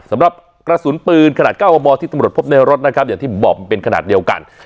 สำหรับกระสุนปืนขนาด๙มมที่ตำรวจพบในรถนะครับอย่างที่บอกมันเป็นขนาดเดียวกัน